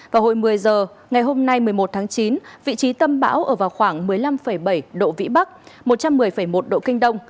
vào hồi một mươi h ngày hôm nay một mươi một tháng chín vị trí tâm bão ở vào khoảng một mươi năm bảy độ vĩ bắc một trăm một mươi một độ kinh đông